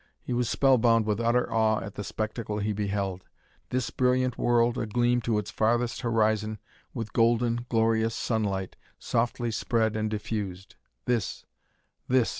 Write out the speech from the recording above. He was spellbound with utter awe at the spectacle he beheld. This brilliant world a gleam to its farthest horizon with golden, glorious sunlight, softly spread and diffused! This, _this!